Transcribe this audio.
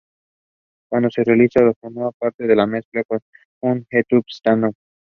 Cuando se realiza formaba parte de una mezcla junto con "Get Up, Stand Up".